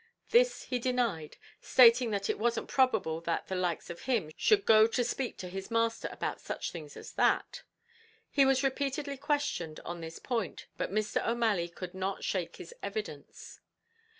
This he denied, stating that it wasn't probable that "the likes of him should go to speak to his masther about such things as that." He was repeatedly questioned on this point, but Mr. O'Malley could not shake his evidence.